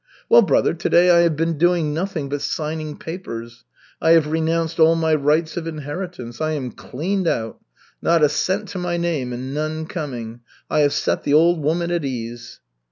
"Well, brother, to day I have been doing nothing but signing papers. I have renounced all my rights of inheritance. I am cleaned out. Not a cent to my name, and none coming. I have set the old woman at ease."